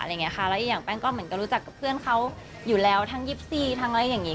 แล้วอีกอย่างแป้งก็เหมือนก็รู้จักกับเพื่อนเขาอยู่แล้วทั้ง๒๔ทั้งอะไรอย่างนี้